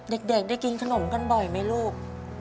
เด็กได้กินขนมกันบ่อยไหมลูก